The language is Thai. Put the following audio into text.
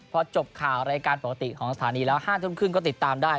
พอจบข่าวรายการปกติของสถานีแล้ว๕ทุ่มครึ่งก็ติดตามได้